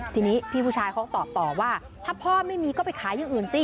ทีนี้พี่ผู้ชายเขาตอบต่อว่าถ้าพ่อไม่มีก็ไปขายอย่างอื่นสิ